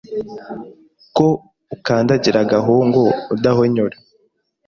ko ukandagira agahungu adahonyora